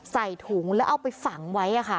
ใส่ถุงแล้วเอาไปฝังไว้